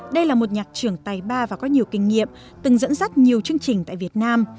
đây là một nhạc trưởng tài ba và có nhiều kinh nghiệm từng dẫn dắt nhiều chương trình tại việt nam